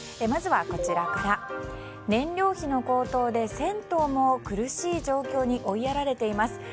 まずは、燃料費の高騰で銭湯も苦しい状況に追いやられています。